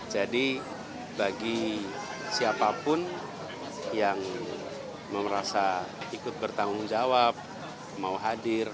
jadi bagi siapapun yang merasa ikut bertanggung jawab mau hadir